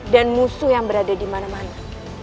dan musuh yang berada di mana mana